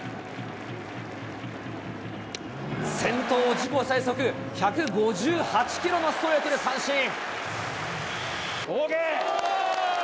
先頭自己最速、１５８キロのストレートで三振。